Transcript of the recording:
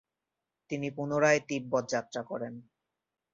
তিনি পুনরায় তিব্বত যাত্রা করেন।